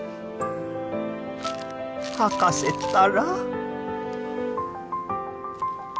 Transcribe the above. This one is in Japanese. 博士ったら。